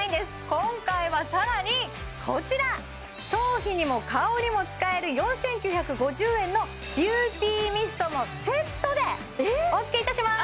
今回は更にこちら頭皮にも顔にも使える４９５０円のビューティーミストもセットでお付けいたします！